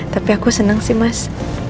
tapi aku senang sih mas